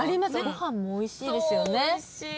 ご飯もおいしいですよね。